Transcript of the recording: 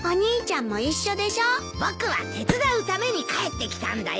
僕は手伝うために帰ってきたんだよ。